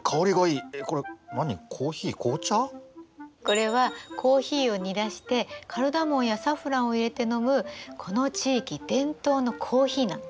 これはコーヒーを煮出してカルダモンやサフランを入れて飲むこの地域伝統のコーヒーなの。